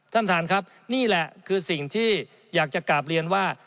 ท่านท่านครับนี่แหละคือสิ่งที่อยากจะกลับเรียนว่า